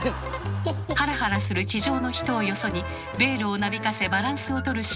ハラハラする地上の人をよそにベールをなびかせバランスをとる新婦。